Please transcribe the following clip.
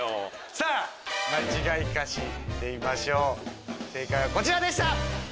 さぁ間違い歌詞見てみましょう正解はこちらでした！